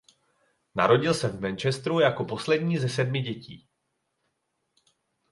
Narodil se v Manchesteru jako poslední ze sedmi dětí.